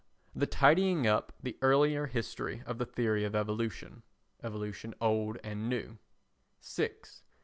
The tidying up the earlier history of the theory of evolution. [Evolution Old and New.] 6.